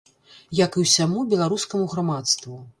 Як і ўсяму беларускаму грамадству.